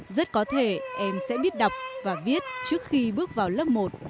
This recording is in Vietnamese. rất có thể em sẽ biết đọc và viết trước khi bước vào lớp một